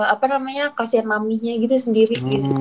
apa namanya kasian maminya gitu sendiri